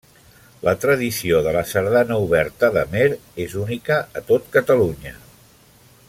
La tradició de la sardana oberta d'Amer és única a tot Catalunya.